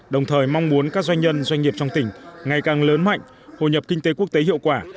đồng thời mong muốn các doanh nhân doanh nghiệp trong tỉnh ngày càng lớn mạnh hồ nhập kinh tế quốc tế hiệu quả